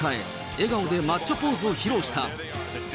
笑顔でマッチョポーズを披露した。